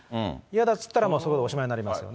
嫌だって言ったらそこでおしまいになります。